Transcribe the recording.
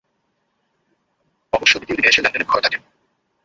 অবশ্য দ্বিতীয় দিনে এসে লেনদেনের খরা কাটে।